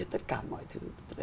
tất cả mọi thứ